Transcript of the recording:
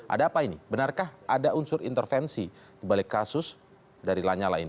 ada apa ini benarkah ada unsur intervensi dibalik kasus dari lanyala ini